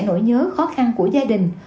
nỗi nhớ khó khăn của gia đình